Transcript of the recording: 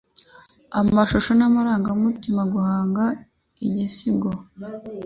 amashusho n amarangamutima guhanga igisigo